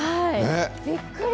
びっくり。